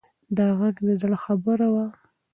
دا غږ د زړه خبره وه.